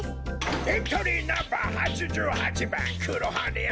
エントリーナンバー８８ばん黒羽屋